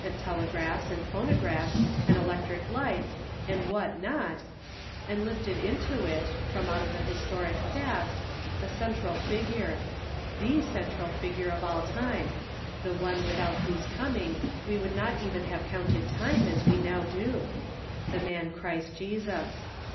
and telegraph and phonographs, and electric li„U. „„f ?u : not.^ and hfted into it, from out tl>e historic past, 1 8 YESTERDAY FRAMED IN TO DAY. a central figure — the central figure of all time ; the One without whose coming we would not even have counted time as we now do, — the Man Christ Jesus.